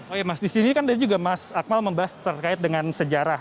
oh ya mas di sini kan juga mas akmal membahas terkait dengan sejarah